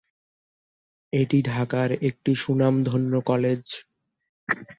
এটি ঢাকার একটি সুনাম ধন্য কলেজ।